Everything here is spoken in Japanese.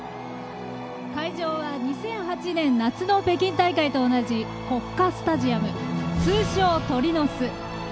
会場は２００８年夏の北京大会と同じ国家スタジアム、通称「鳥の巣」。